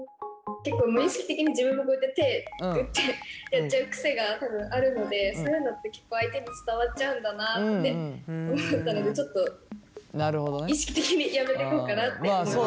結構無意識的に自分もこうやって手をグッてやっちゃう癖が多分あるのでそういうのって結構相手に伝わっちゃうんだなって思ったのでちょっと意識的にやめていこうかなって思いました。